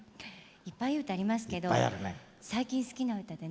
いっぱいいい歌ありますけど最近好きな歌でね